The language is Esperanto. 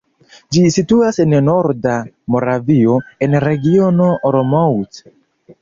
Ĝi situas en norda Moravio, en Regiono Olomouc.